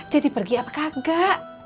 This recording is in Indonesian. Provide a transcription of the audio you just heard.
jadi pergi apa kagak